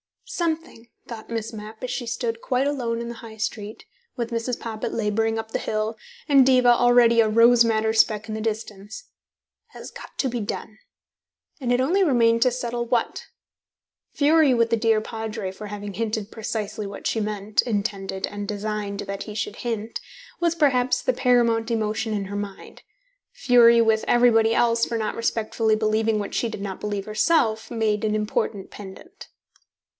"Something," thought Miss Mapp, as she stood quite alone in the High Street, with Mrs. Poppit labouring up the hill, and Diva already a rose madder speck in the distance, "has got to be done," and it only remained to settle what. Fury with the dear Padre for having hinted precisely what she meant, intended and designed that he should hint, was perhaps the paramount emotion in her mind; fury with everybody else for not respectfully believing what she did not believe herself made an important pendant.